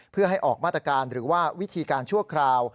เพื่อให้ออกมาตรการหรือว่าวิธีการชั่วคราว